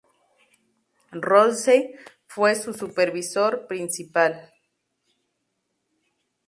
Rousseau fue su supervisor principal.